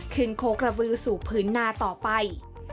โคกระบือสู่พื้นนาต่อไป